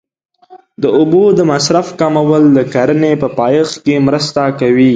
د اوبو د مصرف کمول د کرنې په پایښت کې مرسته کوي.